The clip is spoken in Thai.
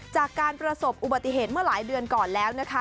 จากการประสบอุบัติเหตุเมื่อหลายเดือนก่อนแล้วนะคะ